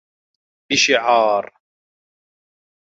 بشعار